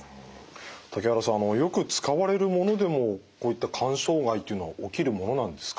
竹原さんよく使われるものでもこういった肝障害というのは起きるものなんですか？